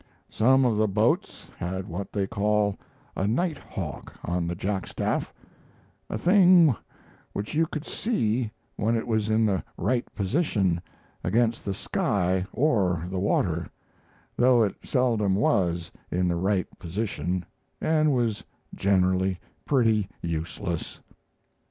Some of the boats had what they call a 'night hawk' on the jackstaff, a thing which you could see when it was in the right position against the sky or the water, though it seldom was in the right position and was generally pretty useless.